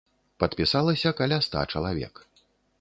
Падпісалася каля ста чалавек.